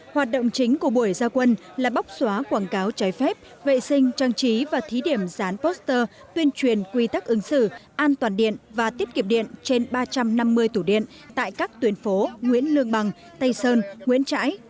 hoạt động chính của buổi giao quân là bóc xóa quảng cáo trái phép vệ sinh trang trí và thí điểm dán poster tuyên truyền quy tắc ứng xử an toàn điện và tiết kiệm điện trên ba trăm năm mươi tủ điện tại các tuyến phố nguyễn lương bằng tây sơn nguyễn trãi